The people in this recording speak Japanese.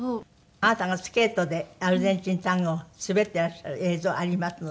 あなたがスケートでアルゼンチンタンゴを滑っていらっしゃる映像ありますので。